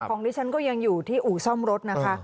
ดิฉันก็ยังอยู่ที่อู่ซ่อมรถนะคะ